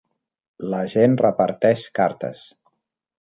La gent reparteix cartes.